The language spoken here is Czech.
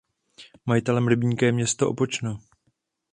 Majitelem rybníka je město Opočno.